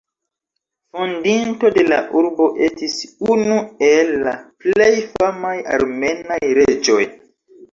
Fondinto de la urbo, estis unu el la plej famaj armenaj reĝoj.